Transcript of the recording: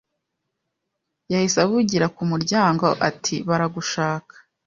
Yahise avugira ku muryango ati baragushaka